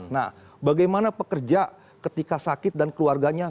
nah bagaimana pekerja ketika sakit dan keluarganya